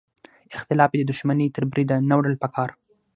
اختلاف یې د دوښمنۍ تر بریده نه وړل پکار.